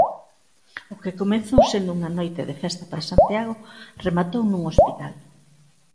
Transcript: O que comezou sendo unha noite de festa para Santiago, rematou nun hospital.